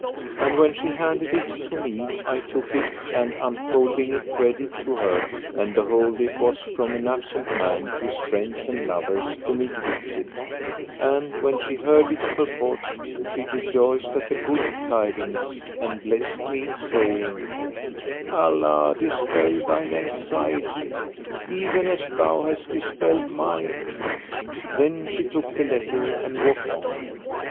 And when she handed it to me, I took it and unfolding it read it to her and behold it was from an absent man to his friends and lovers whom he greeted; and, when she heard its purport, she rejoiced at the good tidings and blessed me, saying, "Allah dispel thine anxiety, even as thou hast dispelled mine!" Then she took the letter and walked on.